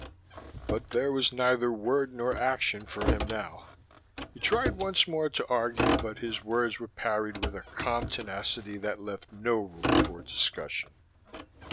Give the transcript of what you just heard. But there was neither word nor action for him now. He tried once more to argue but his words were parried with a calm tenacity that left no room for discussion.